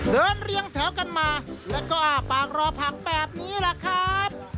เรียงแถวกันมาแล้วก็อ้าปากรอผักแบบนี้แหละครับ